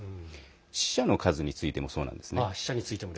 死者の数についてもそうなんですね。